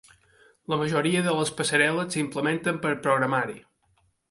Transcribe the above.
La majoria de les passarel·les s'implementen per programari.